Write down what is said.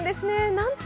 なんと